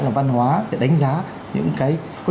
là văn hóa để đánh giá những cái có